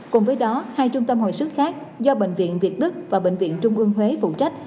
cùng với đó hai trung tâm hồi sức khác do bệnh viện việt đức và bệnh viện trung ương huế phụ trách